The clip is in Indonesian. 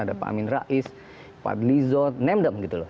ada pak amin rais pak blizon name them gitu loh